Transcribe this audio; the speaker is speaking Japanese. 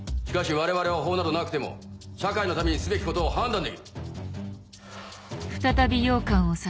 しかし我々は法などなくても社会のためにすべきことを判断できる。